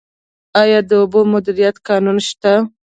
آیا د اوبو مدیریت قانون شته؟